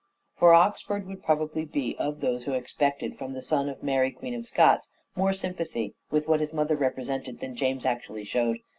For Oxford would probably be of those who expected from the son of Mary, Queen of Scots, more sympathy with what his mother represented than James actually showed.